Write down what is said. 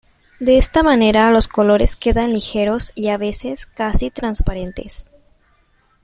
De esta manera los colores quedan ligeros y a veces casi transparentes.